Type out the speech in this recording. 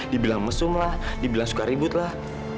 dibilang mesum lah dibilang suka ribut lah